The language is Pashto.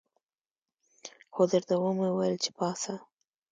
خو درته ومې ویل چې پاڅه.